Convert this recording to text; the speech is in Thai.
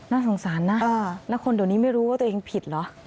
น่าสงสารนะแล้วคนเดี๋ยวนี้ไม่รู้ว่าตัวเองผิดเหรอ